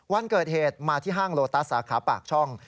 วันเกิดเหตุมาที่ห้างโลตัสสาขาปากช่อง